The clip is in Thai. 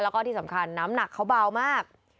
แล้วก็ที่สำคัญน้ำหนักเขาเบามาก